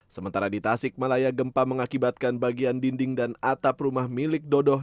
sementara di tasik malaya gempa mengakibatkan bagian dinding dan atap rumah milik dodoh